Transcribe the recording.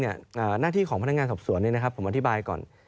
หน้าที่ของพนักงานสอบสวนผมอธิบายก่อน